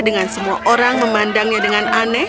dengan semua orang memandangnya dengan aneh